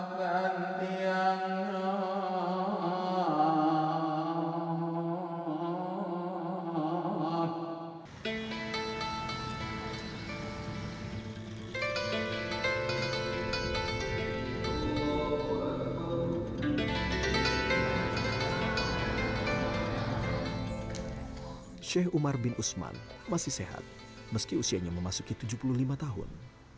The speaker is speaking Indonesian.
sheikh umar bin usman masih sehat meski usianya memasuki tujuh puluh lima tahun